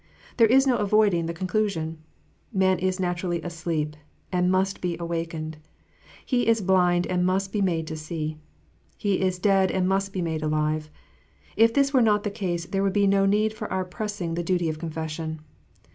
There is no avoiding the con clusion. Man is naturally asleep, and must be awakened. He is blind, and must be made to see. He is dead, and must be made alive. If this was not the case there would be no need for our pressing the duty of confession.